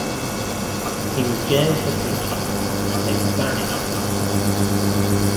He was jailed for preaching and later banished from the city.